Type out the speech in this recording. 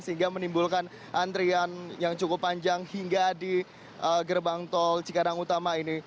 sehingga menimbulkan antrian yang cukup panjang hingga di gerbang tol cikarang utama ini